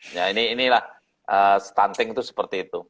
nah inilah stunting itu seperti itu